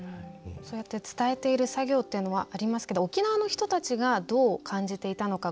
そうやって伝えている作業っていうのはありますけど沖縄の人たちがどう感じていたのか。